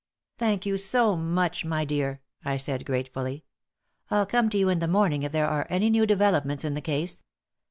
"Thank you so much, my dear," I said, gratefully. "I'll come to you in the morning if there are any new developments in the case."